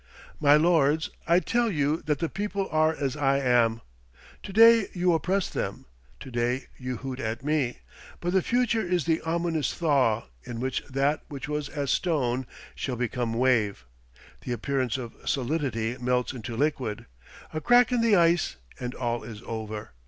My lords, I tell you that the people are as I am. To day you oppress them; to day you hoot at me. But the future is the ominous thaw, in which that which was as stone shall become wave. The appearance of solidity melts into liquid. A crack in the ice, and all is over.